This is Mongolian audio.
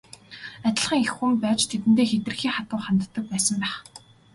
Адилхан эх хүн байж тэдэндээ хэтэрхий хатуу ханддаг байсан байх.